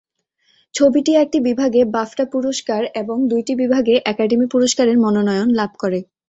ছবিটি একটি বিভাগে বাফটা পুরস্কার এবং দুইটি বিভাগে একাডেমি পুরস্কার-এর মনোনয়ন লাভ করে।